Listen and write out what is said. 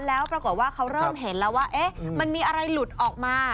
แล้วปรากฏว่าเขาเริ่มเห็นแล้วว่ามันมีอะไรหลุดออกมา